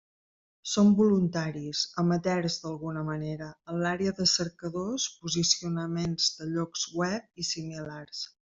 Som voluntaris, amateurs d'alguna manera, en l'àrea de cercadors, posicionaments de llocs web i similars.